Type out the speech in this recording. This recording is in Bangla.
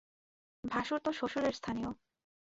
ভাশুর তো শ্বশুরের স্থানীয়।